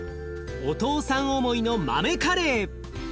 お父さん思いの豆カレー。